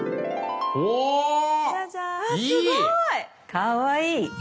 かわいい！